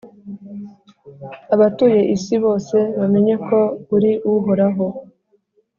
abatuye isi bose bamenye ko uri Uhoraho,